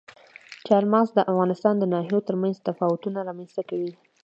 چار مغز د افغانستان د ناحیو ترمنځ تفاوتونه رامنځ ته کوي.